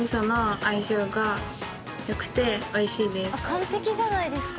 完璧じゃないですか。